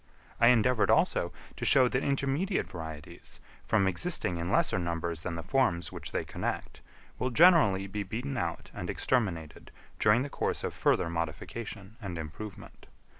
I endeavoured, also, to show that intermediate varieties, from existing in lesser numbers than the forms which they connect, will generally be beaten out and exterminated during the course of further modification and improvement.